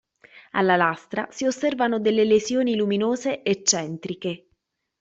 Alla lastra si osservano delle lesioni luminose eccentriche.